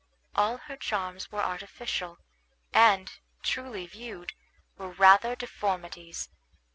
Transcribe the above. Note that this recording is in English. All her charms were artificial, and, truly viewed, were rather deformities.